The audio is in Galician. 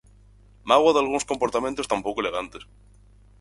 Mágoa dalgúns comportamentos tan pouco elegantes.